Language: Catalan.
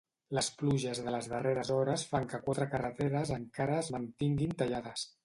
Les pluges de les darreres hores fan que quatre carreteres encara es mantinguin tallades.